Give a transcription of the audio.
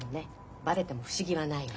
バレても不思議はないわ。